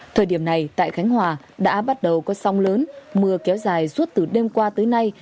thời điểm này tại khánh hòa đã bắt đầu có sóng lớn mưa kéo dài suốt từ đêm qua tới nay